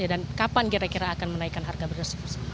dan kapan kira kira akan menaikkan harga beras